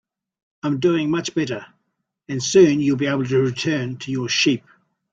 I'm doing much better, and soon you'll be able to return to your sheep.